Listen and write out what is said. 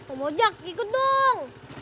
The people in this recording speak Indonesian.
om ojak ikut dong